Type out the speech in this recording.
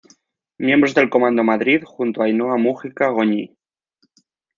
Miembros del Comando Madrid junto a Ainhoa Múgica Goñi.